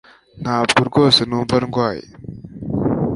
Ntabwo rwose numva ndwaye